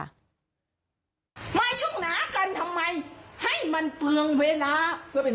หนักไข่หน๋อมารมันชิ้นนั้นเอ่ย